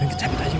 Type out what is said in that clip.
ini dicabut aja